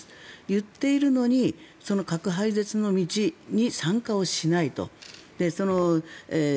言っているのにその核廃絶の道に参加をしないと。